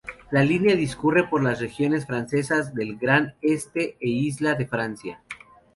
La línea discurre por las regiones francesas del Gran Este e Isla de Francia.